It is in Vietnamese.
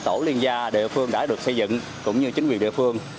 tổ liên gia địa phương đã được xây dựng cũng như chính quyền địa phương